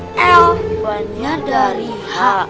di depannya dari h